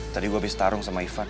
tadi gue habis tarung sama ivan